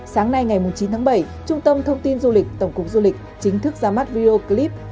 sáng nay ngày chín tháng bảy trung tâm thông tin du lịch tổng cục du lịch chính thức ra mắt video clip